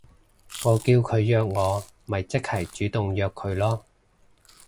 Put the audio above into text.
我叫佢約我咪即係主動約佢囉